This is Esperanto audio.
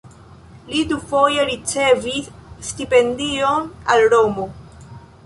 Li dufoje ricevis stipendion al Romo.